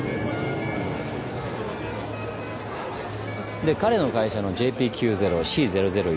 で彼の会社のＪＰ９０Ｃ００１